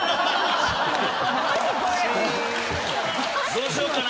どうしよっかな？